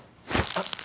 あっ！